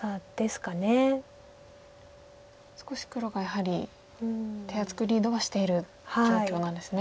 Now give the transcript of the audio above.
少し黒がやはり手厚くリードはしている状況なんですね。